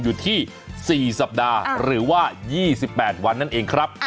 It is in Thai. อยู่ที่๔สัปดาห์หรือว่า๒๘วันนั่นเองครับ